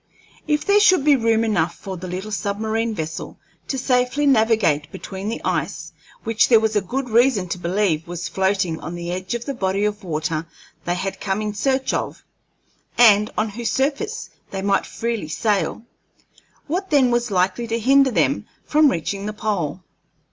If there should be room enough for the little submarine vessel to safely navigate beneath the ice which there was such good reason to believe was floating on the edge of the body of water they had come in search of, and on whose surface they might freely sail, what then was likely to hinder them from reaching the pole?